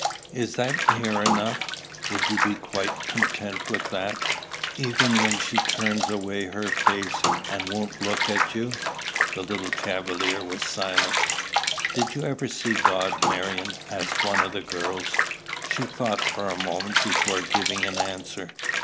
"Is that near enough? Would you be quite content with that? Even when she turns away her face and won't look at you?" The little caviller was silent. "Did you ever see God, Marion?" asked one of the girls. She thought for a moment before giving an answer.